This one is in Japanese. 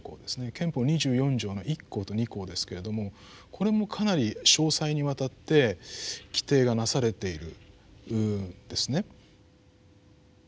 憲法二十四条の一項と二項ですけれどもこれもかなり詳細にわたって規定がなされているんですね。